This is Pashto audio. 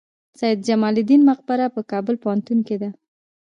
سید جمال الدین مقبره په کابل پوهنتون کې ده؟